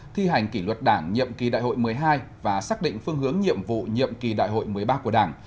thi hành kỷ luật đảng nhậm kỳ đại hội một mươi hai và xác định phương hướng nhiệm vụ nhiệm kỳ đại hội một mươi ba của đảng